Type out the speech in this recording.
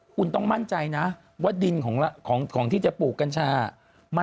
คุณต้องมั่นใจนะว่าดินของที่จะปลูกกัญชา